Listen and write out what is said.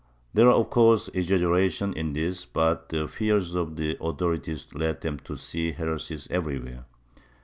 ^ There was of course exaggeration in this, but the fears of the authorities led them to see heresies everywhere.